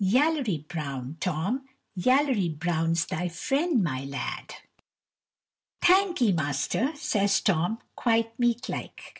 Yallery Brown, Tom, Yallery Brown's thy friend, my lad." "Thankee, master," says Tom, quite meek like.